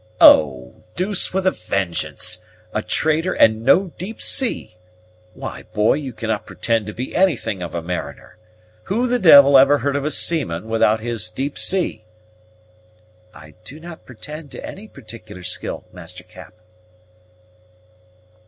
"Oh! deuce, with a vengeance. A trader, and no deep sea! Why, boy, you cannot pretend to be anything of a mariner. Who the devil ever heard of a seaman without his deep sea?" "I do not pretend to any particular skill, Master Cap."